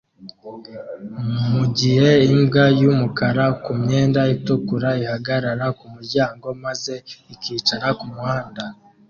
mugihe imbwa yumukara kumyenda itukura ihagarara kumuryango maze ikicara kumuhanda.